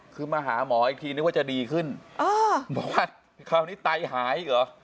คือมาหาหมออีกทีนึกว่าจะดีขึ้นบอกว่าคราวนี้ไตหายอีกเหรอ